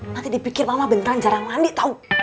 nanti dipikir mama beneran jarang mandi tau